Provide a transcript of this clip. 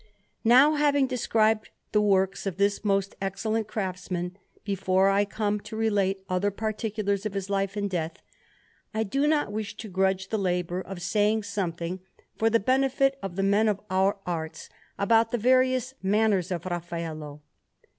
Panel_)] Now, having described the works of this most excellent craftsman, before I come to relate other particulars of his life and death, I do not wish to grudge the labour of saying something, for the benefit of the men of our arts, about the various manners of Raffaello.